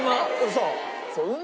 そう。